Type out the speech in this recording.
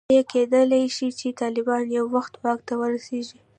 ایا کېدلای شي طالبان یو وخت واک ته ورسېږي.